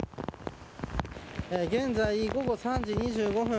現在、午後３時２５分。